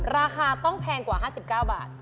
ราคาต้องแพงกว่า๕๙บาท